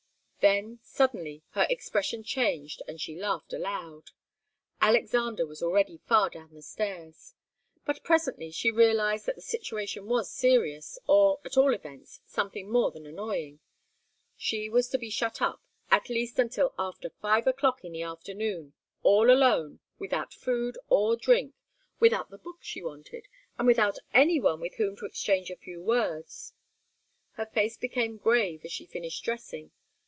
Then, suddenly, her expression changed, and she laughed aloud. Alexander was already far down the stairs. But presently she realized that the situation was serious, or, at all events, something more than annoying. She was to be shut up at least until after five o'clock in the afternoon, all alone, without food or drink, without the books she wanted, and without any one with whom to exchange a few words. Her face became grave as she finished dressing.